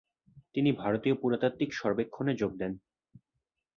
তিনি ভারতীয় পুরাতাত্ত্বিক সর্বেক্ষণে যোগ দেন।